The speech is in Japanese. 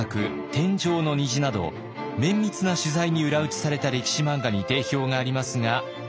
「天上の虹」など綿密な取材に裏打ちされた歴史漫画に定評がありますが。